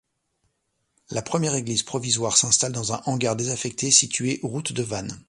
La première église provisoire s'installe dans un hangar désaffecté situé route de Vannes.